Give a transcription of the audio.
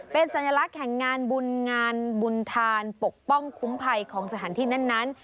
เป็นสัญลักษณ์แห่งงานบุญงานบุญธานปกป้องคุ้มภัยของสถานที่นั้น